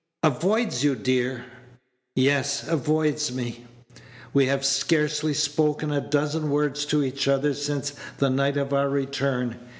"Avoids you, dear!" "Yes, avoids me. We have scarcely spoken a dozen words to each other since the night of our return.